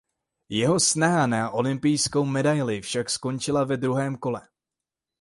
Jeho snaha na na olympijskou medaili však skončila ve druhém kole.